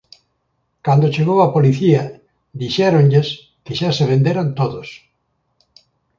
Cando chegou a policía dixéronlles que xa se venderan todos.